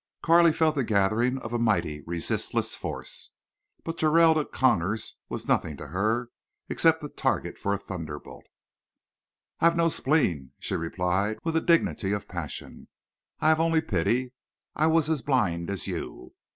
Carley felt the gathering of a mighty resistless force, But Geralda Conners was nothing to her except the target for a thunderbolt. "I have no spleen," she replied, with a dignity of passion. "I have only pity. I was as blind as you.